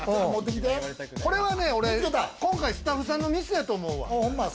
これはね、俺、今回スタッフさんのミスやと思うわ。